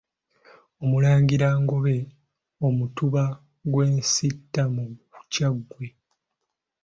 Omulangira Ngobe, Omutuba gw'e Nsiita mu Kyaggwe.